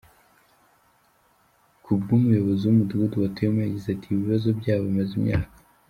Ku bw’umuyobozi w’Umudugudu batuyemo, yagize ati, “Ibi bibazo byabo bimaze imyaka.